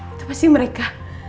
itu pasti mereka